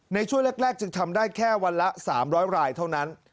ในช่วงแรกจึงทำได้แค่วันละ๓๐๐รายเท่านั้น